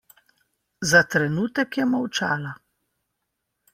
Za trenutek je molčala.